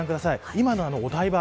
今のお台場